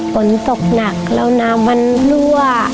ฝนตกหนักแล้วน้ำมันรั่ว